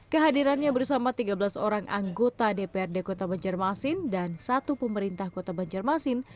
kehadirannya bersama tiga belas orang anggota dprd kota banjarmasin dan satu pemerintah kota banjarmasin